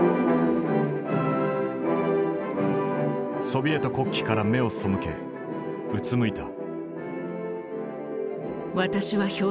ソビエト国旗から目を背けうつむいた。